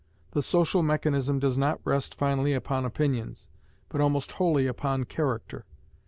The social mechanism does not rest finally upon opinions, but almost wholly upon character.